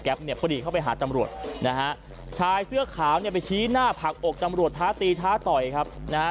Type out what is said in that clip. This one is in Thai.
เนี่ยพอดีเข้าไปหาตำรวจนะฮะชายเสื้อขาวเนี่ยไปชี้หน้าผลักอกตำรวจท้าตีท้าต่อยครับนะฮะ